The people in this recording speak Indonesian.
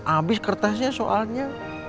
abis kertasnya soalnya